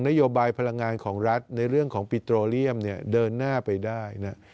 โยบายพลังงานของรัฐในเรื่องของปิโตเรียมเนี่ยเดินหน้าไปได้นะ